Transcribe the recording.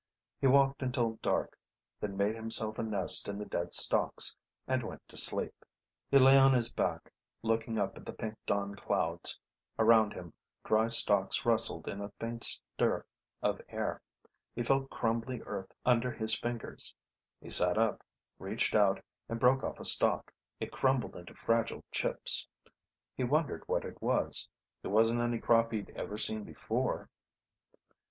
He walked until dark, then made himself a nest in the dead stalks, and went to sleep. He lay on his back, looking up at pink dawn clouds. Around him, dry stalks rustled in a faint stir of air. He felt crumbly earth under his fingers. He sat up, reached out and broke off a stalk. It crumbled into fragile chips. He wondered what it was. It wasn't any crop he'd ever seen before.